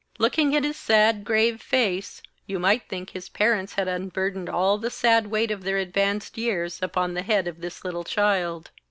Looking at his sad grave face, you might think that his parents had unburdened all the sad weight of their advanced years upon the head of this little child.